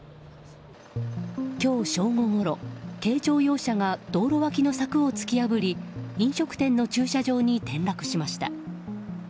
今日正午ごろ軽乗用車が道路脇の柵を突き破り飲食店の駐車場に転落しました。